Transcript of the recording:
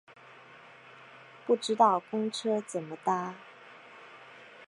不知道公车怎么搭